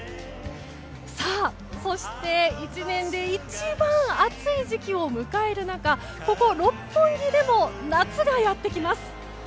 さあ、そして１年で一番暑い時期を迎える中ここ六本木でも夏がやってきます。